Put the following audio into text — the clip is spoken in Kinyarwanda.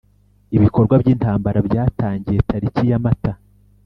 Ibikorwa by intambara byatangiye tariki ya mata